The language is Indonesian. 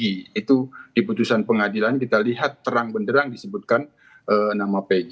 itu di putusan pengadilan kita lihat terang benderang disebutkan nama pg